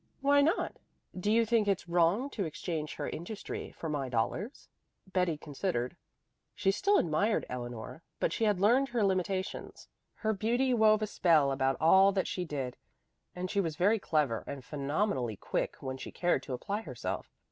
"Why not? Do you think it's wrong to exchange her industry for my dollars?" Betty considered. She still admired Eleanor, but she had learned her limitations. Her beauty wove a spell about all that she did, and she was very clever and phenomenally quick when she cared to apply herself.